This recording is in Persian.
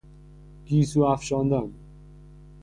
گیسو افشاندن